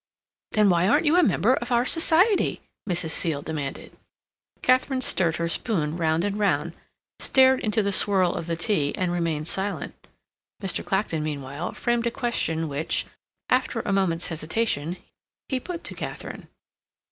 "Then why aren't you a member of our society?" Mrs. Seal demanded. Katharine stirred her spoon round and round, stared into the swirl of the tea, and remained silent. Mr. Clacton, meanwhile, framed a question which, after a moment's hesitation, he put to Katharine.